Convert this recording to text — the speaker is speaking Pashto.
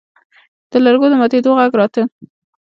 د لرګو د ماتېدو غږ راته.